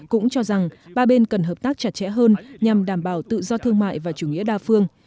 cũng cho rằng ba bên cần hợp tác chặt chẽ hơn nhằm đảm bảo tự do thương mại và chủ nghĩa đa phương